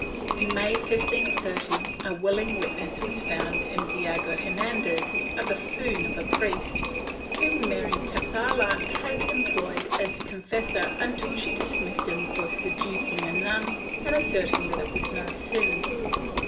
In May, 1533, a wiUing witness was found in Diego Hernandez, a buffoon of a priest, whom Maria Cazalla had employed as confessor until she dismissed him for seducing a nun and asserting that it was no sin.